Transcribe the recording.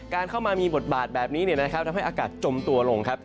เมื่อเข้ามามีบทบาทแบบนี้เนี่ยนะครับทำให้อากาศจมตัวลงครับ